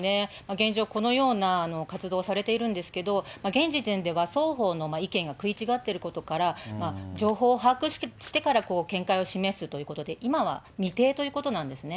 現状、このような活動をされているんですけど、現時点では、双方の意見が食い違ってることから、情報を把握してから見解を示すということで、今は未定ということなんですね。